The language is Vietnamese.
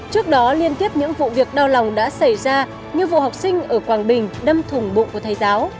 trước đó liên tiếp những vụ việc đau lòng đã xảy ra như vụ học sinh ở quảng bình đâm thủng bụng của thầy giáo